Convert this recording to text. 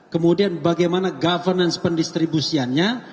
kemudian bagaimana governance pendistribusiannya